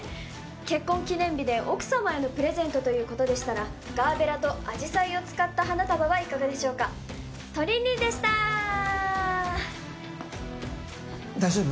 結婚記念日で奥様へのプレゼントということでしたらガーベラとアジサイを使った花束はいかがでしょうかトリンリンでした大丈夫？